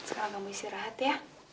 jadi kamu gak usah pikirin dengan nere lagi